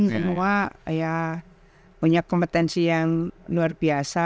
semua ya punya kompetensi yang luar biasa